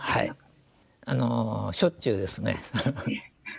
もうしょっちゅうです。